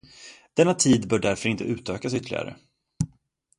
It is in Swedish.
Denna tid bör därför inte utökas ytterligare.